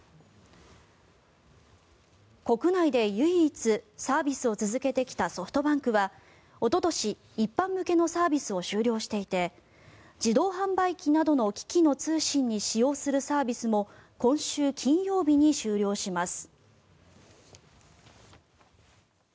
国内で唯一サービスを続けてきたソフトバンクはおととし、一般向けのサービスを終了していて自動販売機などの機器の通信に使用するサービスも今週金曜日に終了します。